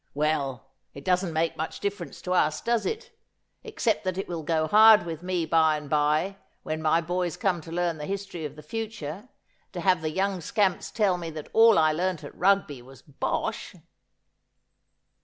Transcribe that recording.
Well, it doesn't make much difEerence to us, does it? — except that it will go hard with me by aiid by, when my boys come to learn the history of the future, to have the young scamps tell me that all I learnt at Rugby was bosh.